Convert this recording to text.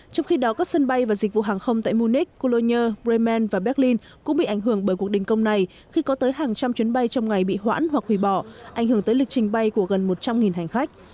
trong khi đó các sân bay và dịch vụ hàng không tại munich cologye bremen và berlin cũng bị ảnh hưởng bởi cuộc đình công này khi có tới hàng trăm chuyến bay trong ngày bị hoãn hoặc hủy bỏ ảnh hưởng tới lịch trình bay của gần một trăm linh hành khách